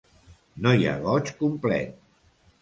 No hi ha goig complet.